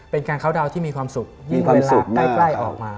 เป็นการเข้าดาวน์ที่มีความสุขยิ่งเวลาใกล้ออกมา